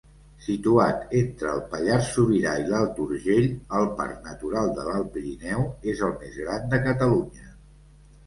Situat entre el Pallars Sobirà i l'Alt Urgell, el Parc Natural de l'Alt Pirineu és el més gran de Catalunya.